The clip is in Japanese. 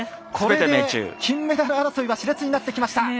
これで金メダル争いはし烈になってきました。